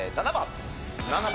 ７番！